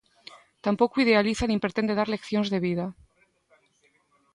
Tampouco idealiza nin pretende dar leccións de vida.